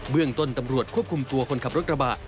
เรื่องต้นตำรวจควบคุมตัวคนขับรถกระบะ